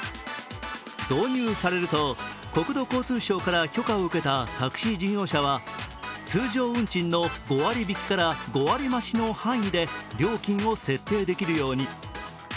導入されると国土交通省から許可を受けたタクシー事業者は通常運賃の５割引きから５割増しの範囲で料金を設定できるように。